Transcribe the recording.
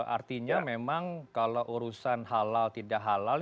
artinya memang kalau urusan halal tidak halal